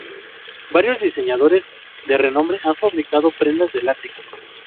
Varios diseñadores de renombre han fabricado prendas de látex.